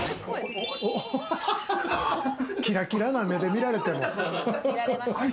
キラキラな目で見られても。